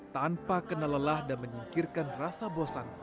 tanpa kena lelah dan menyingkirkan rasa bosan